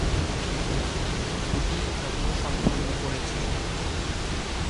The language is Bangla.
দুটিই লক্ষ্য সম্পূর্ণ করেছে।